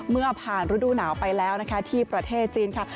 เมื่อผ่านฤดูหนาวไปแล้วนะคะที่ประเทศจีนค่ะ